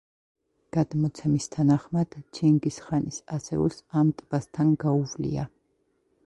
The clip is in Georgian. გადმოცემის თანახმად, ჩინგის ხანის ასეულს ამ ტბასთან გაუვლია.